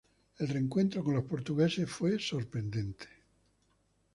El reencuentro con los portugueses fue sorprendente.